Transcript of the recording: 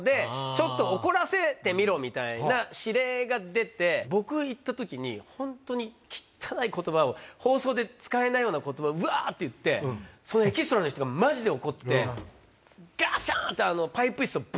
みたいな指令が出て僕行った時にホントに汚い言葉を放送で使えないような言葉をワって言ってそのエキストラの人がマジで怒ってガシャンって。